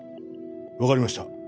分かりました